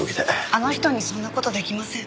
あの人にそんな事出来ません。